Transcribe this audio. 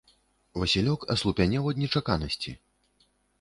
Васілёк аслупянеў ад нечаканасці.